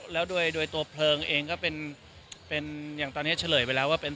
แล้วโดยตัวเพลิงเองก็เป็นอย่างตอนนี้เฉลยไปแล้วว่าเป็น